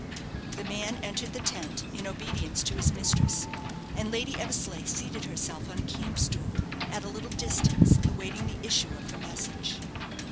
The man entered the tent, in obedience to his mistress; and Lady Eversleigh seated herself on a camp stool, at a little distance, awaiting the issue of her message.